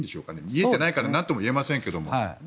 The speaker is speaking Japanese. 見えてないから何とも言えないんですけども。